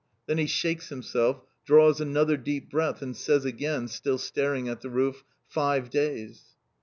Then he shakes himself, draws another deep breath, and says again, still staring at the roof: "Five days!"